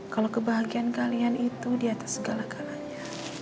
kalau kebahagiaan kalian itu di atas segala galanya